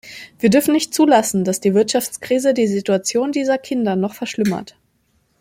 Wir dürfen nicht zulassen, dass die Wirtschaftskrise die Situation dieser Kinder noch verschlimmert.